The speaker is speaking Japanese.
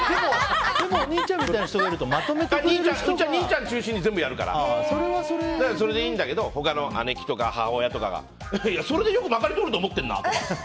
でもお兄ちゃんみたいな人がいるとうちは兄ちゃん中心に全部やるからそれはそれでいいんだけど他の、姉貴とか母親とかがそれでよくまかり通ると思ってるなって。